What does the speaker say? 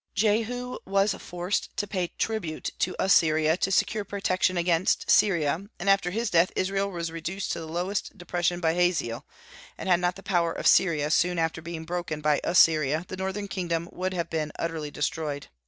Jehu was forced to pay tribute to Assyria to secure protection against Syria; and after his death Israel was reduced to the lowest depression by Hazael, and had not the power of Syria soon after been broken by Assyria, the northern kingdom would have been utterly destroyed.